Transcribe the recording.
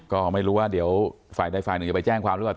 ก็ไม่รู้ว่าเดี๋ยวฝ่ายใดฝ่ายหนึ่งจะไปแจ้งความหรือเปล่า